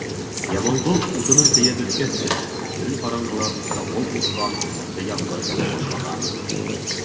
Яманғол утынын тейәп бөткәс кенә, көн ҡараңғыланып, дауыл ҡупҡан, ҡаты ямғыр яуа башлаған.